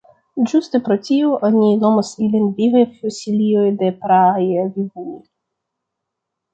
Ĝuste pro tio oni nomas ilin vivaj fosilioj de praaj vivuloj.